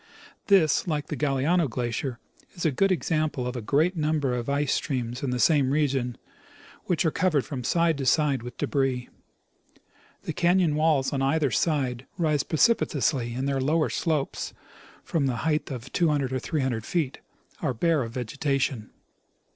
This, like the Galiano glacier, is a good example of a great number of ice streams in the same region which are covered from side to side with debris. The canon walls on either side rise precipitously, and their lower slopes, for the height of 200 or 300 feet, are bare of vegetation.